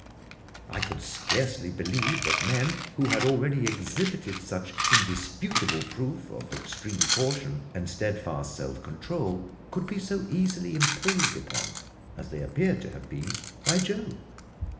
I could scarcely believe that men who had already exhibited such indisputable proof of extreme caution and steadfast self control could be so easily imposed upon as they appeared to have been by Joe!